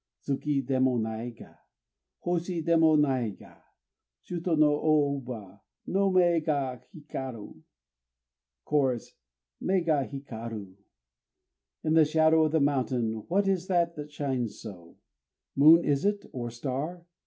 Tsuki démo naiga; Hoshi démo naiga; Shûto no o uba no mé ga hikaru, (Chorus) Mé ga hikaru! In the shadow of the mountain What is it that shines so? Moon is it, or star?